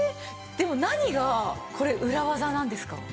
でも何がこれウラワザなんですか？